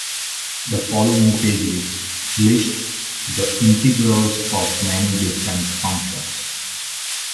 The following pages list the integrals of many different functions.